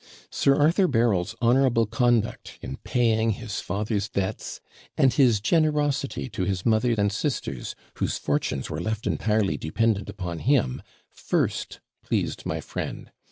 Sir Arthur Berryl's honourable conduct in paying his father's debts, and his generosity to his mother and sisters, whose fortunes were left entirely dependent upon him, first pleased my friend.